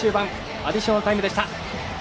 アディショナルタイムでした。